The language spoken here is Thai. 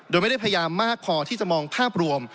โดยไม่ได้พยายามมากพอที่จะมองภาพรวม